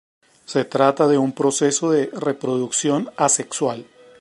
Se trata de un proceso de reproducción asexual.